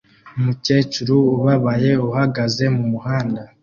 Umukecuru ubabaye uhagaze mumuhanda